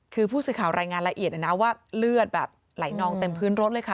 คือผู้สื่อข่าวรายงานละเอียดนะนะว่าเลือดแบบไหลนองเต็มพื้นรถเลยค่ะ